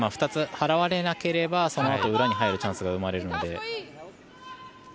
２つ払われなければそのあと裏に入るチャンスが生まれるので。